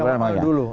ya perang teluk